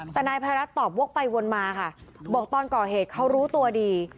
แต่นายภัยรัฐตอบวกไปวนมาค่ะบอกตอนก่อเหตุเขารู้ตัวดี